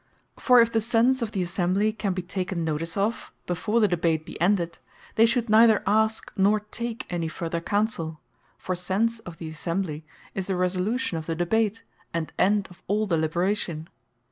For if the sense of the Assembly can be taken notice of, before the Debate be ended, they should neither ask, nor take any further Counsell; For the Sense of the Assembly, is the Resolution of the Debate, and End of all Deliberation.